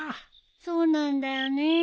そうなんだよね。